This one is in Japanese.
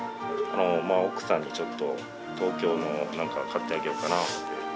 奥さんにちょっと、東京のなんか、買ってあげようかなって。